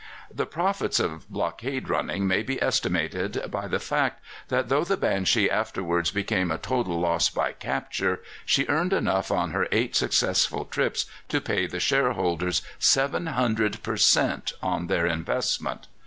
The profits of blockade running may be estimated by the fact that though the Banshee afterwards became a total loss by capture, she earned enough on her eight successful trips to pay the shareholders 700 per cent. on their investment.